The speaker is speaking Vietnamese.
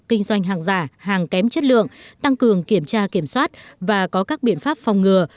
kinh doanh hàng giả hàng kém chất lượng tăng cường kiểm tra kiểm soát và có các biện pháp phòng ngừa